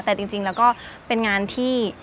แต่จริงแล้วก็เป็นงานที่